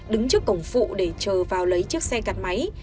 đứng trước cổng phụ để chờ vào lấy chiếc xe cặt máy